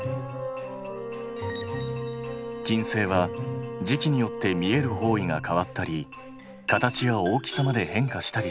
金星は時期によって見える方位が変わったり形や大きさまで変化したりする。